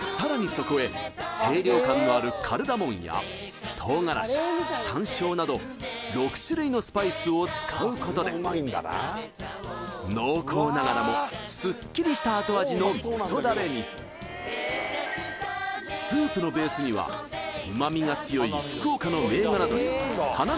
さらにそこへ清涼感のあるカルダモンや唐辛子山椒など６種類のスパイスを使うことで濃厚ながらもすっきりした後味の味噌ダレにスープのベースには旨みが強い福岡の銘柄鶏華味